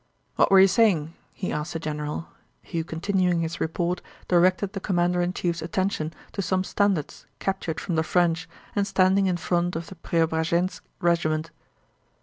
"What were you saying?" he asked the general, who continuing his report directed the commander in chief's attention to some standards captured from the French and standing in front of the Preobrazhénsk regiment.